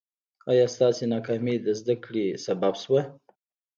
ایا ستاسو ناکامي د زده کړې سبب شوه؟